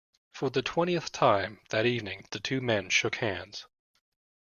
For the twentieth time that evening the two men shook hands.